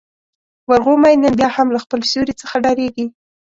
ورغومی نن بيا هم له خپل سیوري څخه ډارېږي.